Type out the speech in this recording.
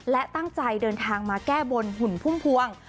และตั้งใจเดินทางมาแก้บนหุ่นพุ่มพวง